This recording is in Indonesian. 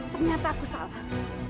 ternyata aku salah